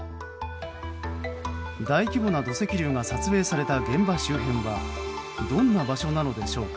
大規模な土石流が撮影された現場周辺はどんな場所なのでしょうか。